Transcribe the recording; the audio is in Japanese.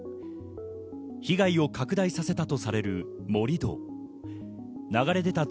被害を拡大させたとする盛り土。